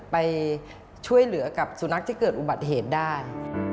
ไปช่วยเหลือกับสุนัขที่เกิดอุบัติเหตุได้